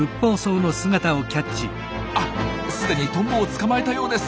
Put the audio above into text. あ既にトンボを捕まえたようです。